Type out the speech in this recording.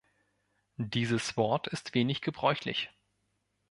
Dieses Wort ist wenig gebräuchlich.